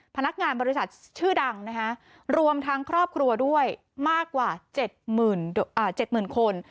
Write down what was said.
พนักงานบริษัทชื่อดังรวมทั้งครอบครัวด้วยมากกว่า๗๐๐คน